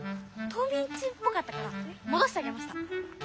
冬みん中っぽかったからもどしてあげました。